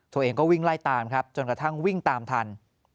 ตัวเองก็วิ่งไล่ตามครับจนกระทั่งวิ่งตามทัน